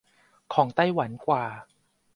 ของไต้หวันกว่า